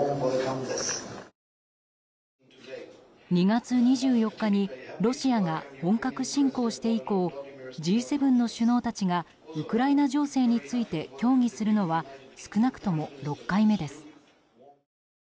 ２月２４日にロシアが本格侵攻して以降Ｇ７の首脳たちがウクライナ情勢について協議するのは少なくとも６回目です。